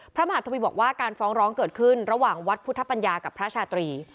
พระมหาทวีบอกว่าการฟ้องร้องเกิดขึ้นระหว่างวัดพุทธปัญญากับพระชาตรี